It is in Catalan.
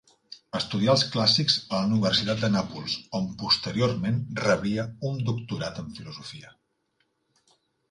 Estudià els clàssics a la Universitat de Nàpols, on posteriorment rebria un Doctorat en Filosofia.